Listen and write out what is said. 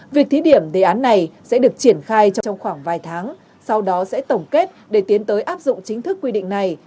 việc thí điểm đề án này sẽ được triển khai trong khoảng vài tháng sau đó sẽ tổng kết để tiến tới áp dụng chính thức quy định này